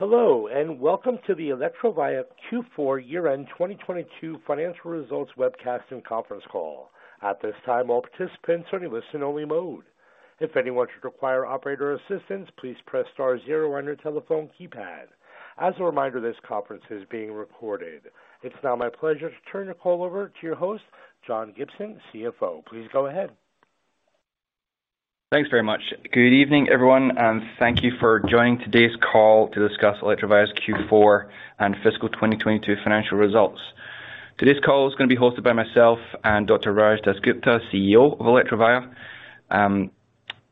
Hello, and welcome to the Electrovaya Q4 year-end 2022 financial results webcast and conference call. At this time, all participants are in listen-only mode. If anyone should require operator assistance, please press star zero on your telephone keypad. As a reminder, this conference is being recorded. It's now my pleasure to turn the call over to your host, John Gibson, CFO. Please go ahead. Thanks very much. Good evening, everyone, thank you for joining today's call to discuss Electrovaya's Q4 and fiscal 2022 financial results. Today's call is going to be hosted by myself and Dr. Raj DasGupta, CEO of Electrovaya.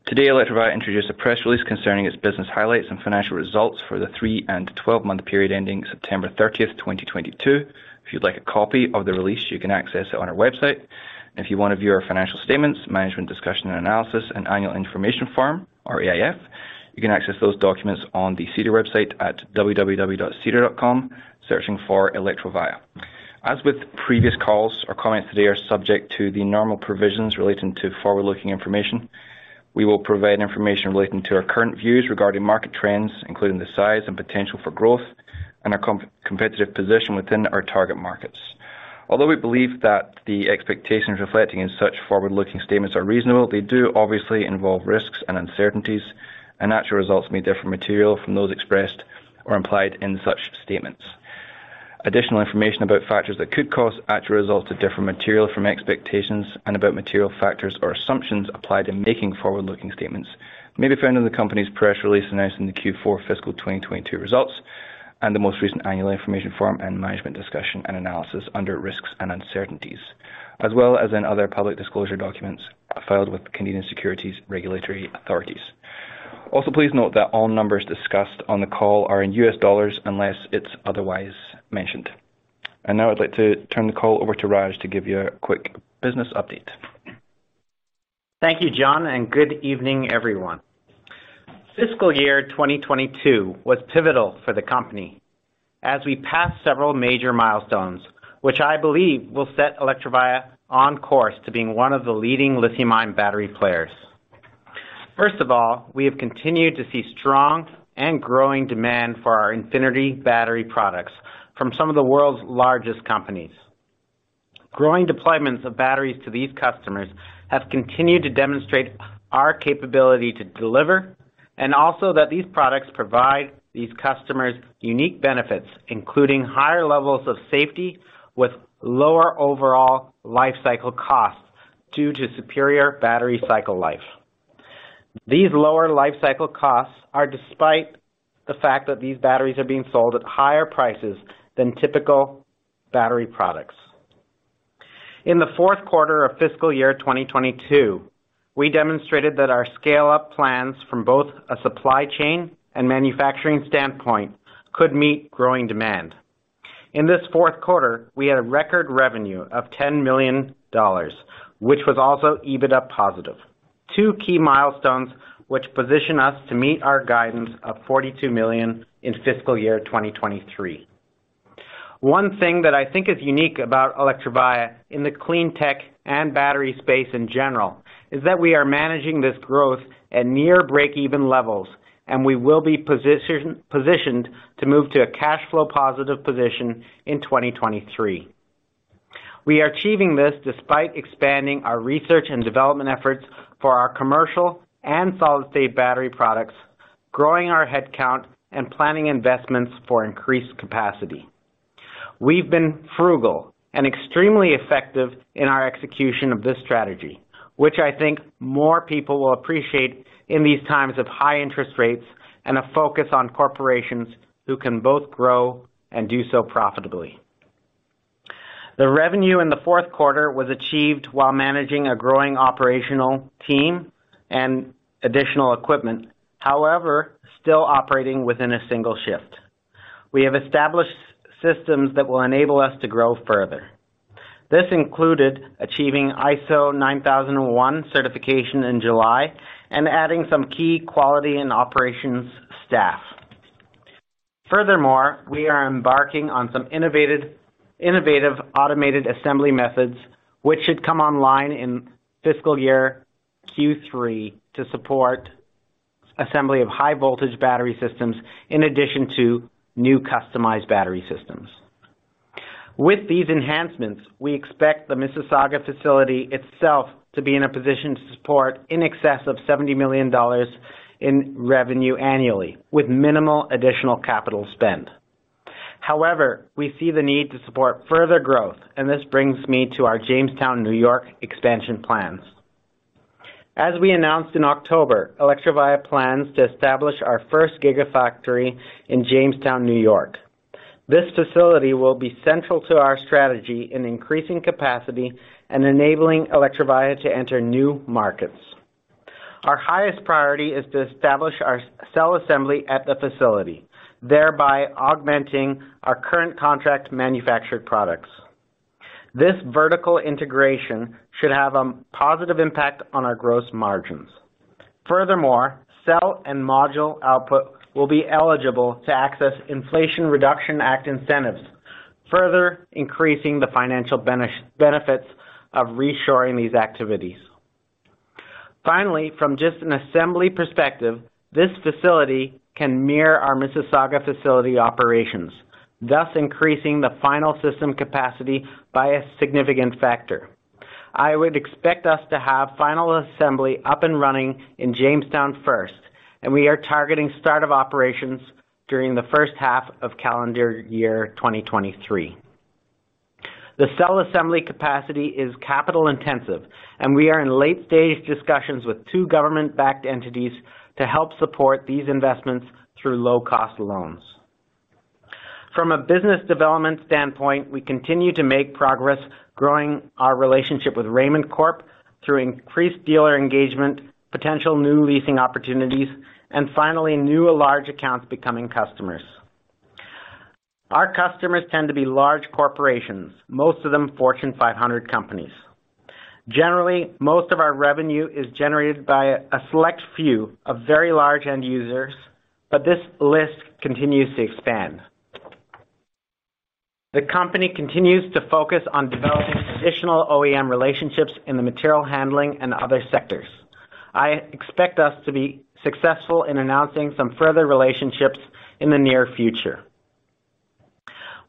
Today, Electrovaya introduced a press release concerning its business highlights and financial results for the three and 12-month period ending September 30th, 2022. If you'd like a copy of the release, you can access it on our website. If you want to view our financial statements, management discussion and analysis, and annual information form or AIF, you can access those documents on the SEDAR website at www.sedar.com, searching for Electrovaya. As with previous calls, our comments today are subject to the normal provisions relating to forward-looking information. We will provide information relating to our current views regarding market trends, including the size and potential for growth and our competitive position within our target markets. Although we believe that the expectations reflecting in such forward-looking statements are reasonable, they do obviously involve risks and uncertainties, actual results may differ material from those expressed or implied in such statements. Additional information about factors that could cause actual results to differ material from expectations and about material factors or assumptions applied in making forward-looking statements may be found in the company's press release announcing the Q4 fiscal 2022 results, the most recent annual information form and management discussion and analysis under risks and uncertainties, as well as in other public disclosure documents filed with Canadian securities regulatory authorities. Please note that all numbers discussed on the call are in U.S. dollars unless it's otherwise mentioned. Now I'd like to turn the call over to Raj to give you a quick business update. Thank you, John, and good evening, everyone. Fiscal year 2022 was pivotal for the company as we passed several major milestones, which I believe will set Electrovaya on course to being one of the leading lithium-ion battery players. First of all, we have continued to see strong and growing demand for our Infinity Battery products from some of the world's largest companies. Growing deployments of batteries to these customers have continued to demonstrate our capability to deliver and also that these products provide these customers unique benefits, including higher levels of safety with lower overall life cycle costs due to superior battery cycle life. These lower life cycle costs are despite the fact that these batteries are being sold at higher prices than typical battery products. In the fourth quarter of fiscal year 2022, we demonstrated that our scale-up plans from both a supply chain and manufacturing standpoint could meet growing demand. In this fourth quarter, we had a record revenue of $10 million, which was also EBITDA positive. Two key milestones which position us to meet our guidance of $42 million in fiscal year 2023. One thing that I think is unique about Electrovaya in the clean tech and battery space in general is that we are managing this growth at near breakeven levels, and we will be positioned to move to a cash flow positive position in 2023. We are achieving this despite expanding our research and development efforts for our commercial and solid-state battery products, growing our headcount and planning investments for increased capacity. We've been frugal and extremely effective in our execution of this strategy, which I think more people will appreciate in these times of high interest rates and a focus on corporations who can both grow and do so profitably. The revenue in the fourth quarter was achieved while managing a growing operational team and additional equipment, however, still operating within a single shift. We have established systems that will enable us to grow further. This included achieving ISO 9001 certification in July and adding some key quality and operations staff. We are embarking on some innovative automated assembly methods, which should come online in fiscal year Q3 to support assembly of high voltage battery systems in addition to new customized battery systems. With these enhancements, we expect the Mississauga facility itself to be in a position to support in excess of $70 million in revenue annually with minimal additional capital spend. We see the need to support further growth, and this brings me to our Jamestown, New York expansion plans. As we announced in October, Electrovaya plans to establish our first gigafactory in Jamestown, New York. This facility will be central to our strategy in increasing capacity and enabling Electrovaya to enter new markets. Our highest priority is to establish our cell assembly at the facility, thereby augmenting our current contract manufactured products. This vertical integration should have a positive impact on our gross margins. Furthermore, cell and module output will be eligible to access Inflation Reduction Act incentives, further increasing the financial benefits of reshoring these activities. From just an assembly perspective, this facility can mirror our Mississauga facility operations, thus increasing the final system capacity by a significant factor. I would expect us to have final assembly up and running in Jamestown first, we are targeting start of operations during the first half of calendar year 2023. The cell assembly capacity is capital intensive, we are in late stage discussions with two government backed entities to help support these investments through low cost loans. From a business development standpoint, we continue to make progress growing our relationship with Raymond Corp through increased dealer engagement, potential new leasing opportunities, and finally, new large accounts becoming customers. Our customers tend to be large corporations, most of them Fortune 500 companies. Generally, most of our revenue is generated by a select few of very large end users, but this list continues to expand. The company continues to focus on developing additional OEM relationships in the material handling and other sectors. I expect us to be successful in announcing some further relationships in the near future.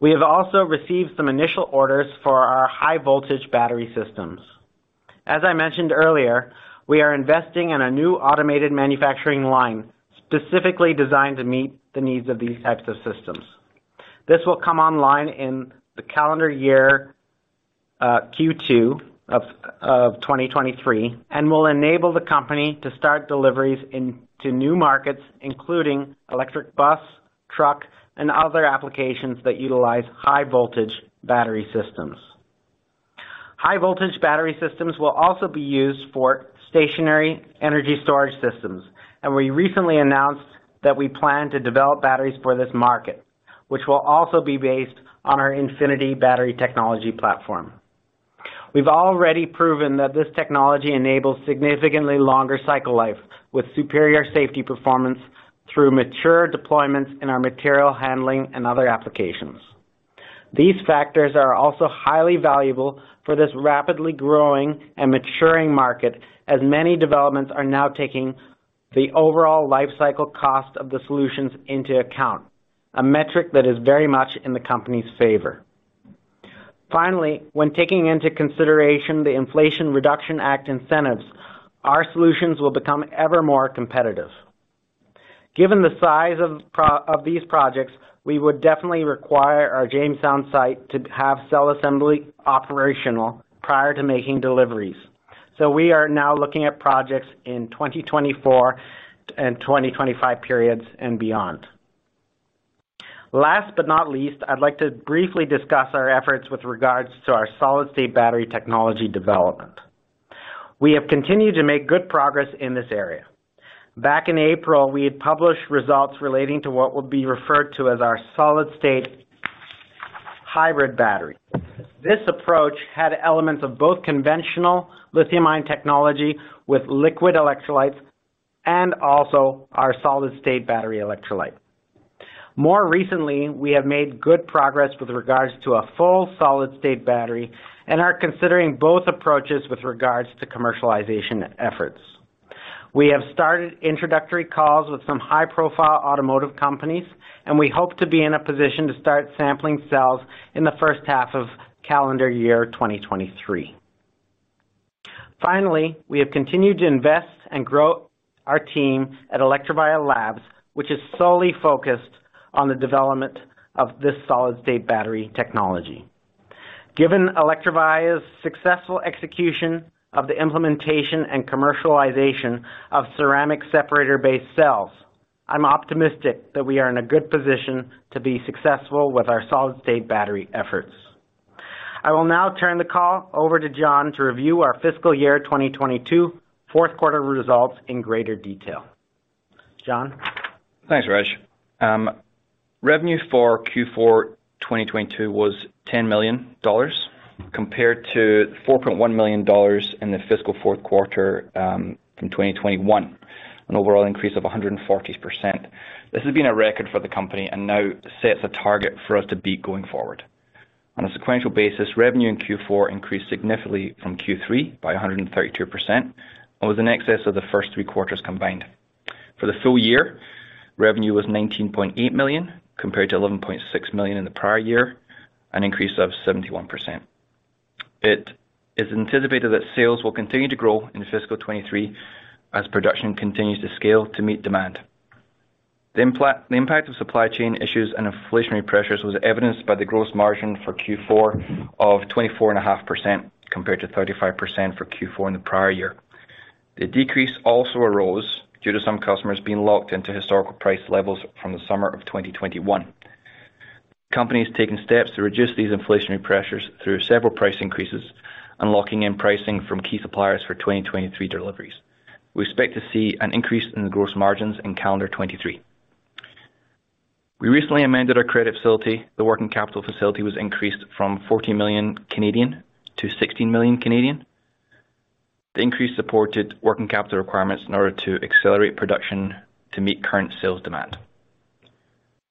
We have also received some initial orders for our high voltage battery systems. As I mentioned earlier, we are investing in a new automated manufacturing line specifically designed to meet the needs of these types of systems. This will come online in the calendar year Q2 of 2023, and will enable the company to start deliveries into new markets, including electric bus, truck, and other applications that utilize high voltage battery systems. High voltage battery systems will also be used for stationary energy storage systems. We recently announced that we plan to develop batteries for this market, which will also be based on our Infinity Battery technology platform. We've already proven that this technology enables significantly longer cycle life with superior safety performance through mature deployments in our material handling and other applications. These factors are also highly valuable for this rapidly growing and maturing market, as many developments are now taking the overall life cycle cost of the solutions into account, a metric that is very much in the company's favor. Finally, when taking into consideration the Inflation Reduction Act incentives, our solutions will become ever more competitive. Given the size of these projects, we would definitely require our Jamestown site to have cell assembly operational prior to making deliveries. We are now looking at projects in 2024 and 2025 periods and beyond. Last but not least, I'd like to briefly discuss our efforts with regards to our solid-state battery technology development. We have continued to make good progress in this area. Back in April, we had published results relating to what will be referred to as our solid-state hybrid battery. This approach had elements of both conventional lithium-ion technology with liquid electrolytes and also our solid-state battery electrolyte. More recently, we have made good progress with regards to a full solid-state battery and are considering both approaches with regards to commercialization efforts. We have started introductory calls with some high-profile automotive companies, and we hope to be in a position to start sampling cells in the first half of calendar year 2023. Finally, we have continued to invest and grow our team at Electrovaya Labs, which is solely focused on the development of this solid-state battery technology. Given Electrovaya's successful execution of the implementation and commercialization of ceramic separator-based cells, I'm optimistic that we are in a good position to be successful with our solid-state battery efforts. I will now turn the call over to John to review our fiscal year 2022 fourth quarter results in greater detail. John. Thanks, Raj. Revenue for Q4 2022 was $10 million compared to $4.1 million in the fiscal fourth quarter, from 2021, an overall increase of 140%. This has been a record for the company and now sets a target for us to beat going forward. On a sequential basis, revenue in Q4 increased significantly from Q3 by 132%, or was in excess of the first three quarters combined. For the full year, revenue was $19.8 million, compared to $11.6 million in the prior year, an increase of 71%. It is anticipated that sales will continue to grow in fiscal 2023 as production continues to scale to meet demand. The impact of supply chain issues and inflationary pressures was evidenced by the gross margin for Q4 of 24.5% compared to 35% for Q4 in the prior year. The decrease also arose due to some customers being locked into historical price levels from the summer of 2021. Company has taken steps to reduce these inflationary pressures through several price increases and locking in pricing from key suppliers for 2023 deliveries. We expect to see an increase in the gross margins in calendar 2023. We recently amended our credit facility. The working capital facility was increased from 14 million to 16 million. The increase supported working capital requirements in order to accelerate production to meet current sales demand.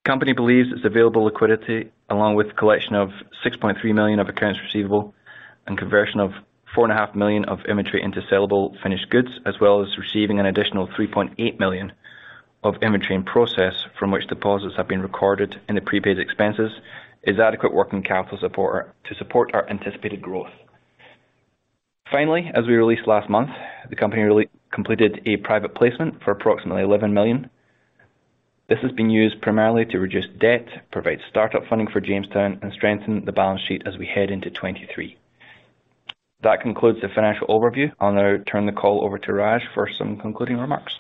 Company believes its available liquidity, along with collection of $6.3 million of accounts receivable and conversion of $4.5 million of inventory into sellable finished goods, as well as receiving an additional $3.8 million of inventory in process from which deposits have been recorded in the prepaid expenses, is adequate working capital support to support our anticipated growth. Finally, as we released last month, the company really completed a private placement for approximately $11 million. This has been used primarily to reduce debt, provide startup funding for Jamestown, and strengthen the balance sheet as we head into 2023. That concludes the financial overview. I'll now turn the call over to Raj for some concluding remarks.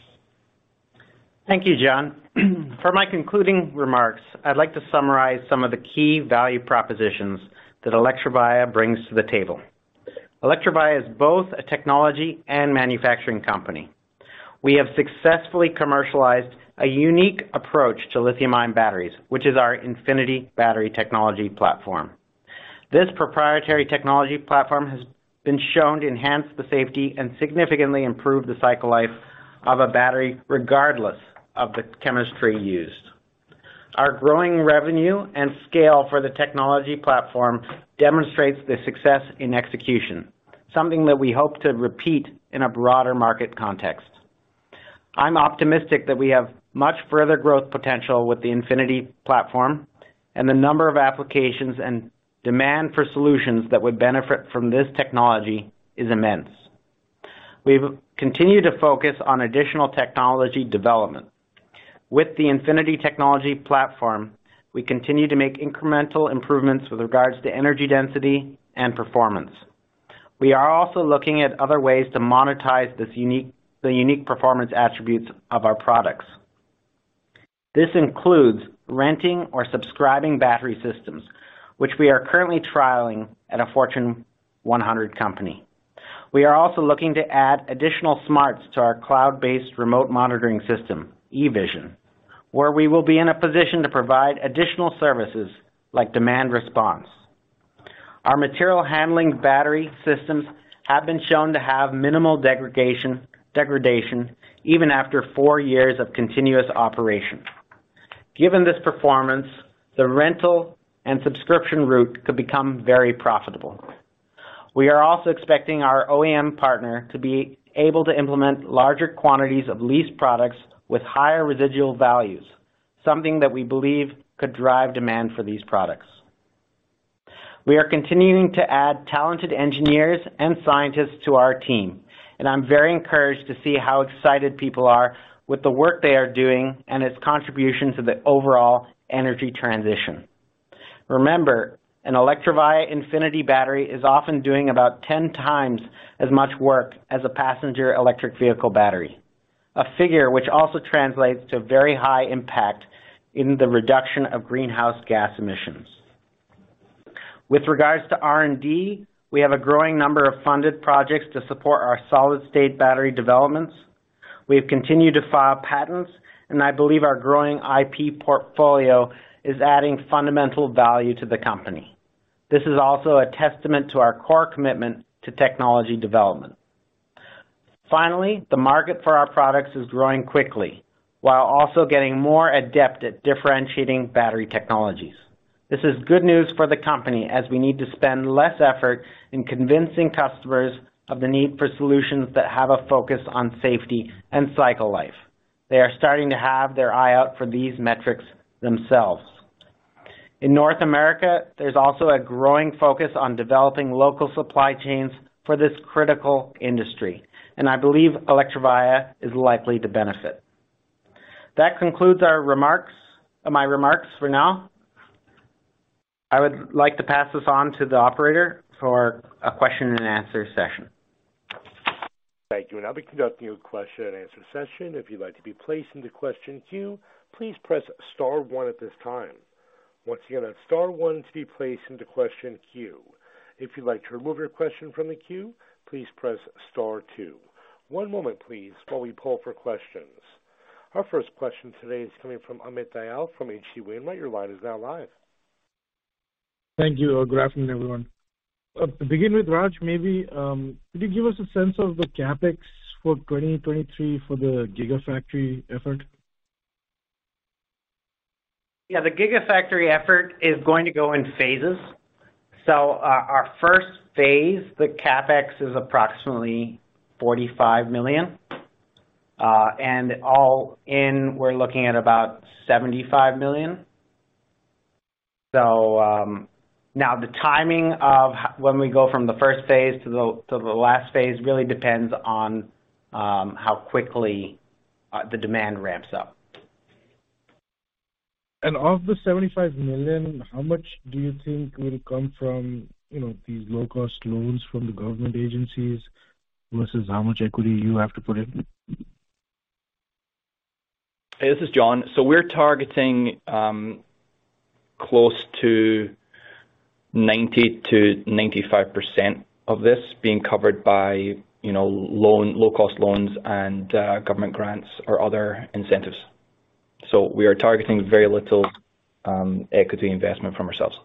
Thank you, John. For my concluding remarks, I'd like to summarize some of the key value propositions that Electrovaya brings to the table. Electrovaya is both a technology and manufacturing company. We have successfully commercialized a unique approach to lithium-ion batteries, which is our Infinity Battery technology platform. This proprietary technology platform has been shown to enhance the safety and significantly improve the cycle life of a battery, regardless of the chemistry used. Our growing revenue and scale for the technology platform demonstrates the success in execution, something that we hope to repeat in a broader market context. I'm optimistic that we have much further growth potential with the Infinity platform and the number of applications and demand for solutions that would benefit from this technology is immense. We've continued to focus on additional technology development. With the Infinity technology platform, we continue to make incremental improvements with regards to energy density and performance. We are also looking at other ways to monetize the unique performance attributes of our products. This includes renting or subscribing battery systems, which we are currently trialing at a Fortune 100 company. We are also looking to add additional smarts to our cloud-based remote monitoring system, EVISION, where we will be in a position to provide additional services like demand response. Our material handling battery systems have been shown to have minimal degradation even after four years of continuous operation. Given this performance, the rental and subscription route could become very profitable. We are also expecting our OEM partner to be able to implement larger quantities of leased products with higher residual values, something that we believe could drive demand for these products. We are continuing to add talented engineers and scientists to our team, and I'm very encouraged to see how excited people are with the work they are doing and its contribution to the overall energy transition. Remember, an Electrovaya Infinity Battery is often doing about 10x as much work as a passenger electric vehicle battery. A figure which also translates to very high impact in the reduction of greenhouse gas emissions. With regards to R&D, we have a growing number of funded projects to support our solid-state battery developments. We have continued to file patents, and I believe our growing IP portfolio is adding fundamental value to the company. This is also a testament to our core commitment to technology development. Finally, the market for our products is growing quickly, while also getting more adept at differentiating battery technologies. This is good news for the company as we need to spend less effort in convincing customers of the need for solutions that have a focus on safety and cycle life. They are starting to have their eye out for these metrics themselves. In North America, there's also a growing focus on developing local supply chains for this critical industry. I believe Electrovaya is likely to benefit. That concludes my remarks for now. I would like to pass this on to the operator for a question and answer session. Thank you. I'll now be conducting a question and answer session. If you'd like to be placed into question queue, please press star one at this time. Once again, star one to be placed into question queue. If you'd like to remove your question from the queue, please press star two. One moment please, while we pull for questions. Our first question today is coming from Amit Dayal from H.C. Wainwright. Your line is now live. Thank you. Good afternoon, everyone. To begin with, Raj, maybe, could you give us a sense of the CapEx for 2023 for the gigafactory effort? The gigafactory effort is going to go in phases. Our first phase, the CapEx is approximately $45 million. And all in, we're looking at about $75 million. Now the timing of when we go from the first phase to the last phase really depends on how quickly the demand ramps up. Of the $75 million, how much do you think will come from, you know, these low-cost loans from the government agencies versus how much equity you have to put in? Hey, this is John. We're targeting, close to 90%-95% of this being covered by, you know, low cost loans and government grants or other incentives. We are targeting very little equity investment from ourselves.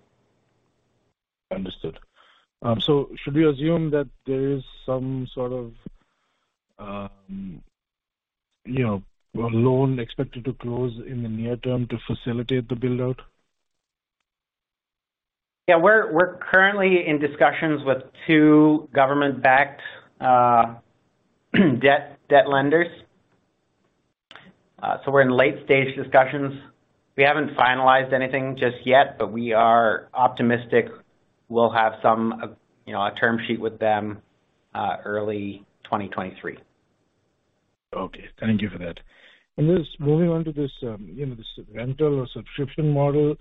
Understood. Should we assume that there is some sort of, you know, a loan expected to close in the near term to facilitate the build out? We're currently in discussions with two government-backed debt lenders. We're in late-stage discussions. We haven't finalized anything just yet, but we are optimistic we'll have some, you know, a term sheet with them early 2023. Okay. Thank you for that. Just moving on to this, you know, this rental or subscription model,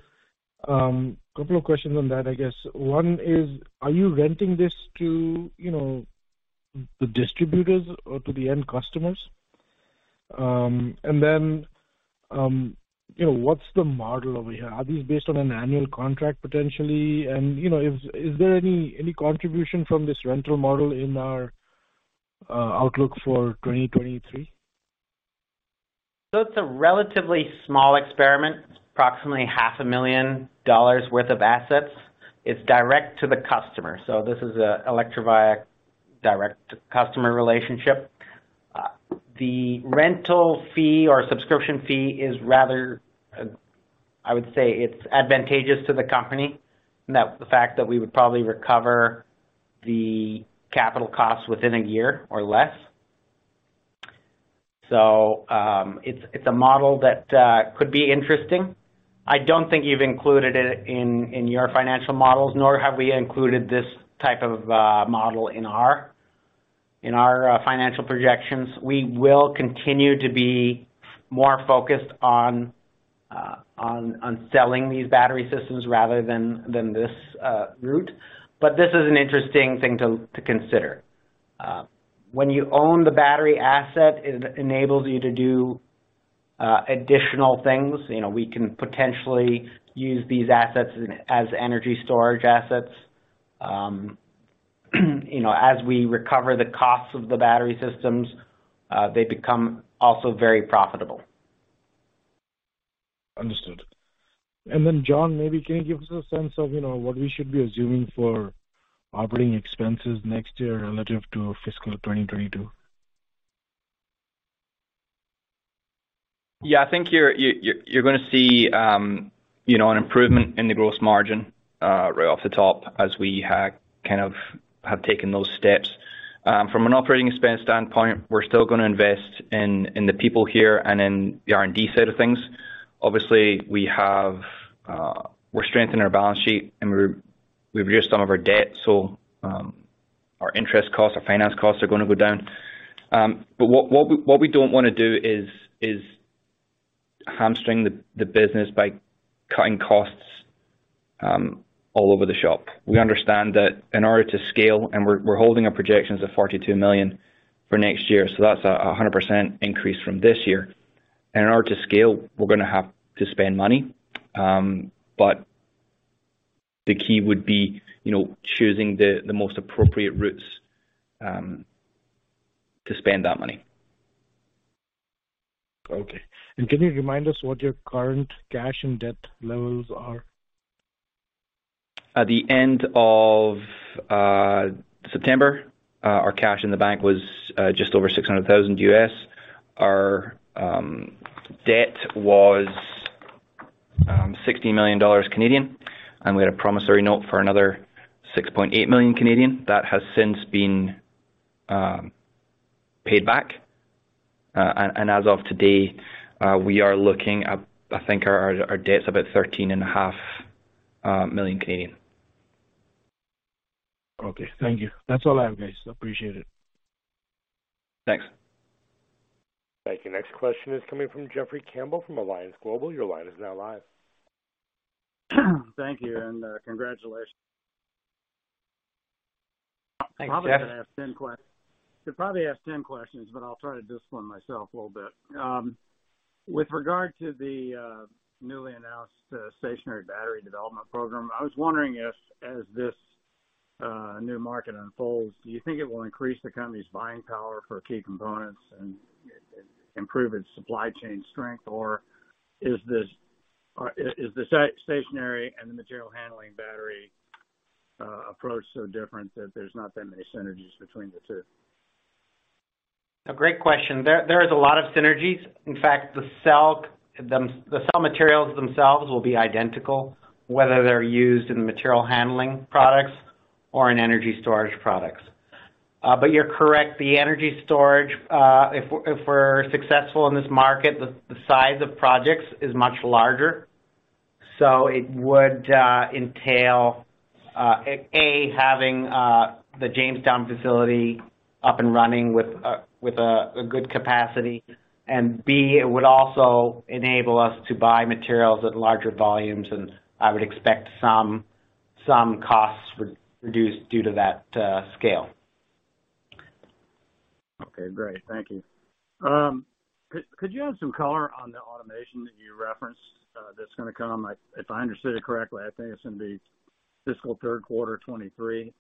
couple of questions on that, I guess. One is, are you renting this to, you know, the distributors or to the end customers? You know, what's the model over here? Are these based on an annual contract potentially? You know, is there any contribution from this rental model in our outlook for 2023? It's a relatively small experiment. It's approximately $500,000 worth of assets. It's direct to the customer. This is a Electrovaya direct to customer relationship. The rental fee or subscription fee is rather, I would say it's advantageous to the company in that the fact that we would probably recover the capital costs within a year or less. It's a model that could be interesting. I don't think you've included it in your financial models, nor have we included this type of model in our financial projections. We will continue to be more focused on selling these battery systems rather than this route. This is an interesting thing to consider. When you own the battery asset, it enables you to do additional things. You know, we can potentially use these assets as energy storage assets. You know, as we recover the costs of the battery systems, they become also very profitable. Understood. John, maybe can you give us a sense of, you know, what we should be assuming for operating expenses next year relative to fiscal 2022? Yeah. I think you're gonna see, you know, an improvement in the gross margin right off the top as we kind of have taken those steps. From an operating expense standpoint, we're still gonna invest in the people here and in the R&D side of things. Obviously, we're strengthening our balance sheet, and we've reduced some of our debt, so our interest costs, our finance costs are gonna go down. What we don't wanna do is hamstring the business by cutting costs all over the shop. We understand that in order to scale, and we're holding our projections at $42 million for next year, so that's a 100% increase from this year. In order to scale, we're gonna have to spend money. The key would be, you know, choosing the most appropriate routes, to spend that money. Okay. Can you remind us what your current cash and debt levels are? At the end of September, our cash in the bank was just over $600,000. Our debt was 16 million Canadian dollars, and we had a promissory note for another 6.8 million. That has since been paid back. As of today, we are looking at, I think our debt's about 13.5 million. Okay. Thank you. That's all I have, guys. Appreciate it. Thanks. Thank you. Next question is coming from Jeffrey Campbell from Alliance Global. Your line is now live. Thank you, congratulations. Thanks, Jeff. Probably could probably ask 10 questions, I'll try to discipline myself a little bit. With regard to the newly announced stationary battery development program, I was wondering if as this new market unfolds, do you think it will increase the company's buying power for key components and improve its supply chain strength? Is this, or is the stationary and the material handling battery approach so different that there's not that many synergies between the two? A great question. There is a lot of synergies. In fact, the cell materials themselves will be identical, whether they're used in material handling products or in energy storage products. You're correct. The energy storage, if we're successful in this market, the size of projects is much larger. It would entail A, having the Jamestown facility up and running with a good capacity, and B, it would also enable us to buy materials at larger volumes, and I would expect some costs re-reduced due to that scale. Okay. Great. Thank you. Could you add some color on the automation that you referenced, that's gonna come, like if I understood it correctly, I think it's gonna be fiscal third quarter 2023?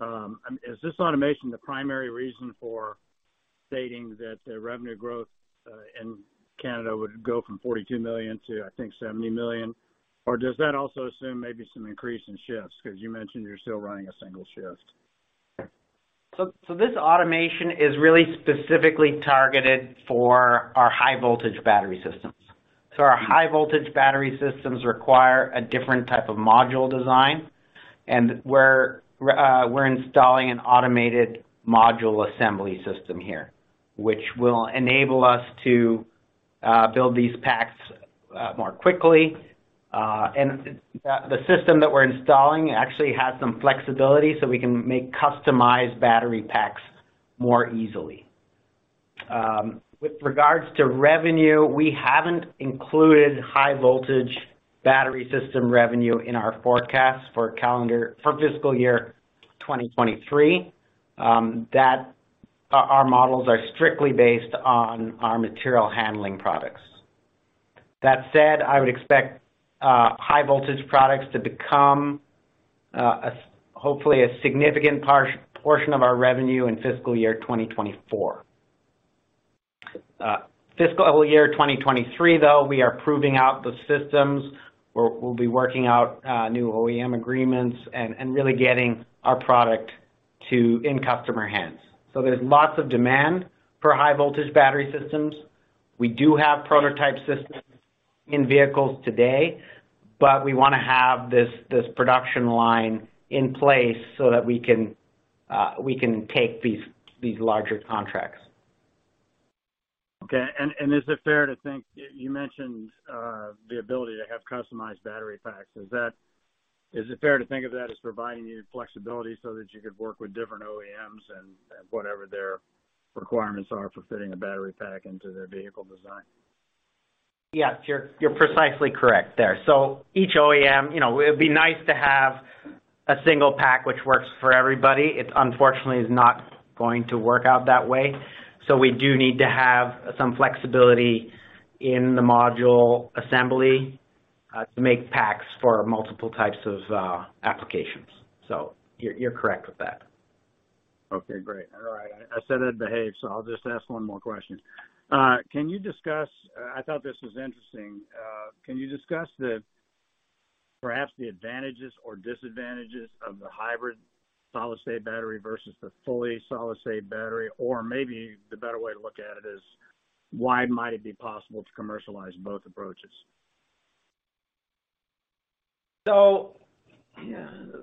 I mean, is this automation the primary reason for stating that the revenue growth in Canada would go from $42 million to, I think, $70 million? Or does that also assume maybe some increase in shifts? Because you mentioned you're still running a single shift. This automation is really specifically targeted for our high voltage battery systems. Our high voltage battery systems require a different type of module design. We're installing an automated module assembly system here, which will enable us to build these packs more quickly. The system that we're installing actually has some flexibility, so we can make customized battery packs more easily. With regards to revenue, we haven't included high voltage battery system revenue in our forecast for fiscal year 2023. Our models are strictly based on our material handling products. That said, I would expect high voltage products to become hopefully a significant portion of our revenue in fiscal year 2024. Fiscal year 2023, though, we are proving out the systems. We'll be working out new OEM agreements and really getting our product in customer hands. There's lots of demand for high voltage battery systems. We do have prototype systems in vehicles today, but we wanna have this production line in place so that we can take these larger contracts. Okay. Is it fair to think, you mentioned, the ability to have customized battery packs, is it fair to think of that as providing you flexibility so that you could work with different OEMs and whatever their requirements are for fitting a battery pack into their vehicle design? Yes, you're precisely correct there. Each OEM, you know, it would be nice to have a single pack which works for everybody. It unfortunately is not going to work out that way. We do need to have some flexibility in the module assembly to make packs for multiple types of applications. You're correct with that. Okay, great. All right. I said I'd behave, so I'll just ask one more question. I thought this was interesting. Can you discuss the, perhaps the advantages or disadvantages of the hybrid solid-state battery versus the fully solid-state battery? Maybe the better way to look at it is why might it be possible to commercialize both approaches?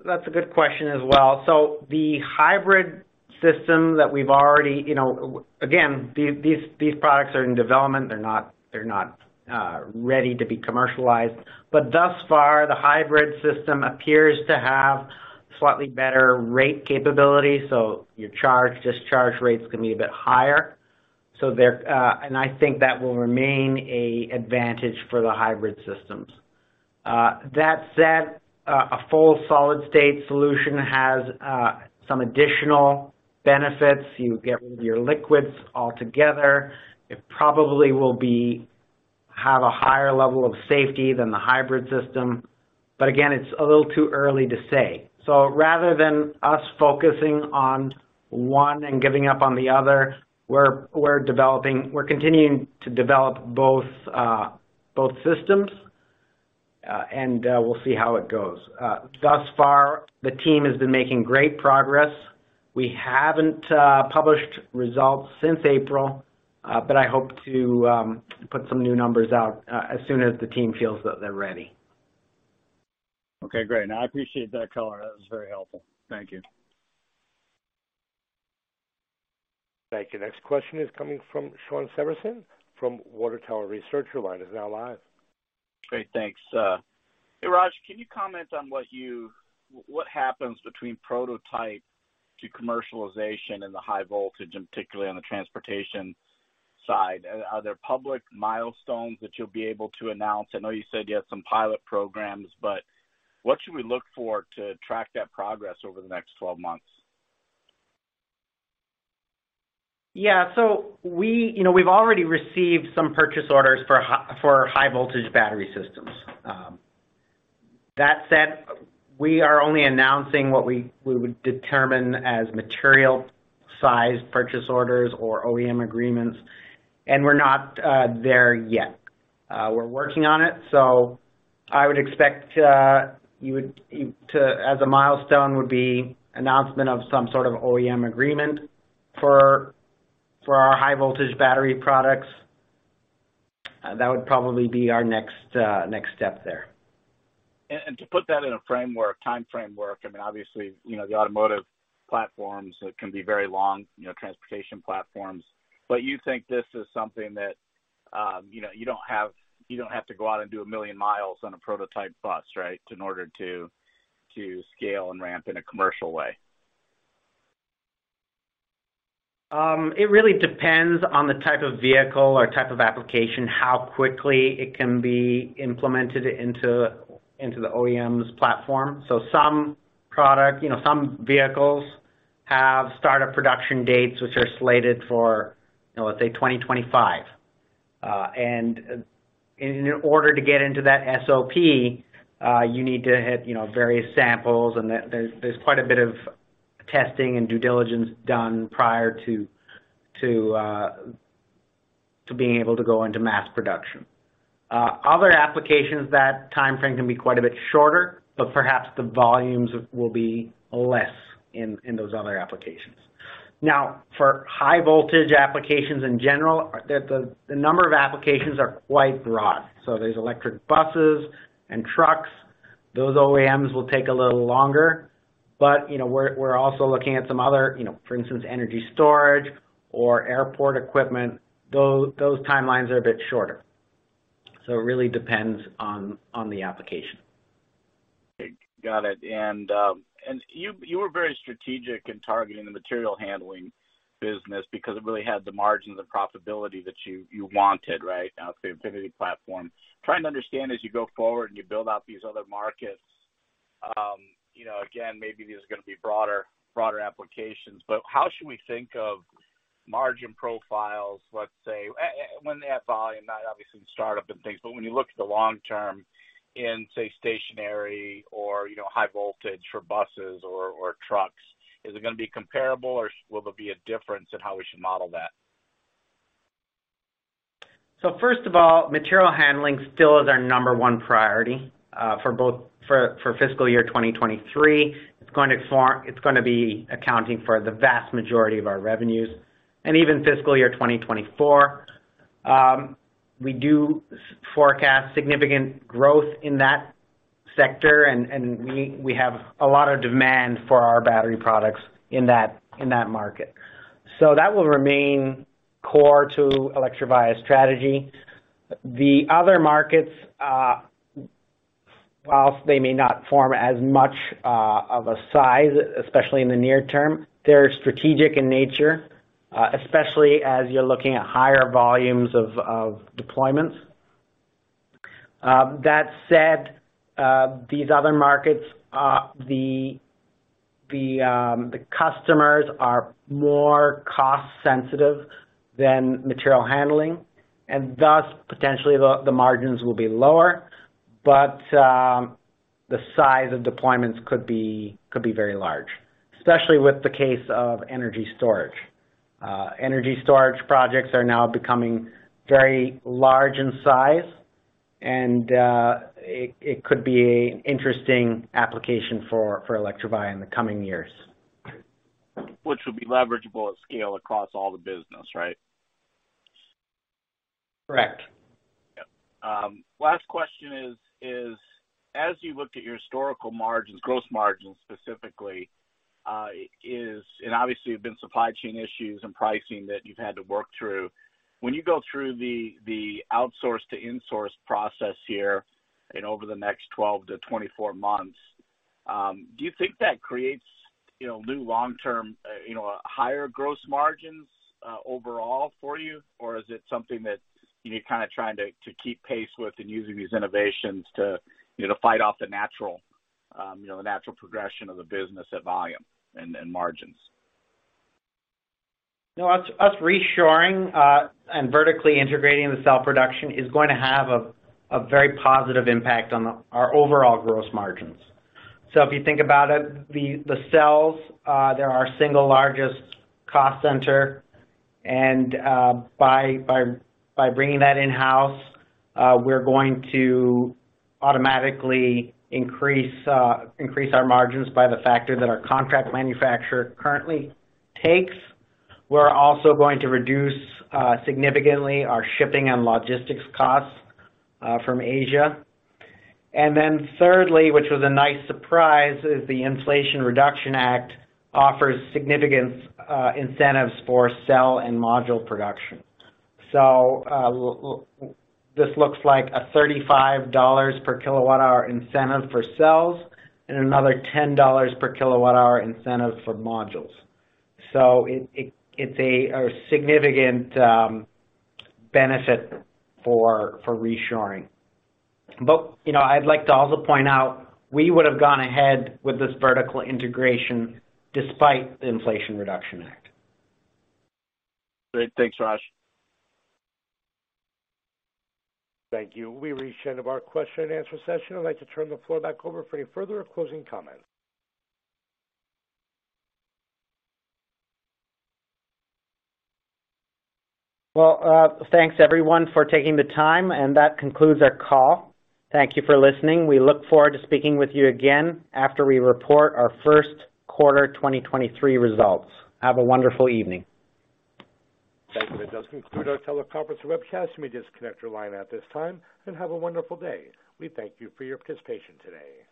That's a good question as well. The hybrid system that we've already, you know, again, these products are in development. They're not ready to be commercialized. Thus far, the hybrid system appears to have slightly better rate capability, so your charge, discharge rates can be a bit higher. There, and I think that will remain a advantage for the hybrid systems. That said, a full solid-state solution has some additional benefits. You get rid of your liquids altogether. It probably will be, have a higher level of safety than the hybrid system. Again, it's a little too early to say. Rather than us focusing on one and giving up on the other, we're continuing to develop both systems, and we'll see how it goes. Thus far, the team has been making great progress. We haven't published results since April, but I hope to put some new numbers out as soon as the team feels that they're ready. Okay, great. No, I appreciate that color. That was very helpful. Thank you. Thank you. Next question is coming from Shawn Severson from Water Tower Research. Your line is now live. Great, thanks. Hey, Raj, can you comment on what happens between prototype to commercialization in the high voltage and particularly on the transportation side? Are there public milestones that you'll be able to announce? I know you said you have some pilot programs, but what should we look for to track that progress over the next 12 months? We, you know, we've already received some purchase orders for high voltage battery systems. That said, we are only announcing what we would determine as material size purchase orders or OEM agreements, and we're not there yet. We're working on it. I would expect you to, as a milestone would be announcement of some sort of OEM agreement for our high voltage battery products. That would probably be our next step there. To put that in a framework, time framework, I mean, obviously, you know, the automotive platforms can be very long, you know, transportation platforms. You think this is something that, you know, you don't have to go out and do 1 million mi on a prototype bus, right, in order to scale and ramp in a commercial way? it really depends on the type of vehicle or type of application, how quickly it can be implemented into the OEM's platform. Some product, you know, some vehicles have startup production dates which are slated for, you know, let's say 2025. In order to get into that SOP, you need to have, you know, various samples and there's, there's quite a bit of testing and due diligence done prior to, to being able to go into mass production. Other applications, that timeframe can be quite a bit shorter, but perhaps the volumes will be less in those other applications. For high voltage applications in general, the, the number of applications are quite broad. There's electric buses and trucks. Those OEMs will take a little longer. You know, we're also looking at some other, you know, for instance, energy storage or airport equipment. Those timelines are a bit shorter. It really depends on the application. Got it. You were very strategic in targeting the material handling business because it really had the margins and profitability that you wanted, right? Now, with the Infinity platform, trying to understand as you go forward and you build out these other markets, you know, again, maybe there's gonna be broader applications. How should we think of margin profiles, let's say, when they have volume, not obviously in startup and things, but when you look at the long term in, say, stationary or, you know, high voltage for buses or trucks, is it gonna be comparable or will there be a difference in how we should model that? First of all, material handling still is our number one priority for fiscal year 2023, it's gonna be accounting for the vast majority of our revenues. Even fiscal year 2024, we do forecast significant growth in that sector, and we have a lot of demand for our battery products in that, in that market. That will remain core to Electrovaya's strategy. The other markets, whilst they may not form as much of a size, especially in the near term, they're strategic in nature, especially as you're looking at higher volumes of deployments. That said, these other markets, the customers are more cost sensitive than material handling, and thus, potentially the margins will be lower. The size of deployments could be very large, especially with the case of energy storage. Energy storage projects are now becoming very large in size, and it could be an interesting application for Electrovaya in the coming years. Which will be leverageable at scale across all the business, right? Correct. Yep. Last question is as you looked at your historical margins, gross margins specifically, and obviously, there've been supply chain issues and pricing that you've had to work through. When you go through the outsource to insource process here and over the next 12-24 months, do you think that creates, you know, new long-term, you know, higher gross margins, overall for you? Or is it something that you're kinda trying to keep pace with and using these innovations to, you know, fight off the natural, you know, the natural progression of the business at volume and margins? No. Us reshoring and vertically integrating the cell production is going to have a very positive impact on our overall gross margins. If you think about it, the cells, they're our single largest cost center. By bringing that in-house, we're going to automatically increase our margins by the factor that our contract manufacturer currently takes. We're also going to reduce significantly our shipping and logistics costs from Asia. Thirdly, which was a nice surprise, is the Inflation Reduction Act offers significant incentives for cell and module production. This looks like a $35/kWh incentive for cells and another $10/kWh incentive for modules. It's a significant benefit for reshoring. You know, I'd like to also point out, we would have gone ahead with this vertical integration despite the Inflation Reduction Act. Great. Thanks, Raj. Thank you. We've reached the end of our question and answer session. I'd like to turn the floor back over for any further closing comments. Well, thanks everyone for taking the time. That concludes our call. Thank you for listening. We look forward to speaking with you again after we report our first quarter 2023 results. Have a wonderful evening. Thank you. That does conclude our teleconference webcast. You may disconnect your line at this time and have a wonderful day. We thank you for your participation today.